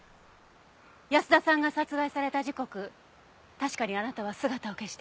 保田さんが殺害された時刻確かにあなたは姿を消していた。